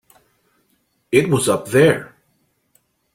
It was up there.